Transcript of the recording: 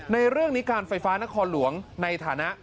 ในเรื่องนี้การไฟฟ้านครหลวงในฐานะ